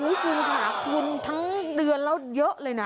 คือคือค่ะคุณถึงเดือนเราเดียวกลัวเยอะเลยนะ